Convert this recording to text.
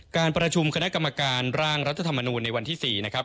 การประชุมคณะกรรมการร่างรัฐธรรมนูลในวันที่๔นะครับ